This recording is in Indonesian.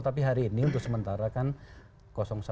tapi hari ini untuk sementara kan satu